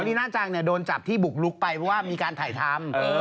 นี่น่าจังโดนจับที่บุกลุกไปเพราะว่ามีการถ่ายทำ